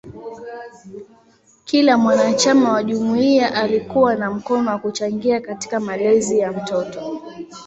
Kila mwanachama wa jumuiya alikuwa na mkono kwa kuchangia katika malezi ya mtoto.